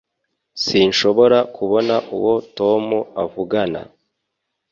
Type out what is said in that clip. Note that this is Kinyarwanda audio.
Sinshobora kubona uwo Tom avugana